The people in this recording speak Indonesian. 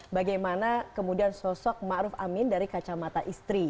bagaimana kemudian sosok ma'ruf amin dari kacamata istri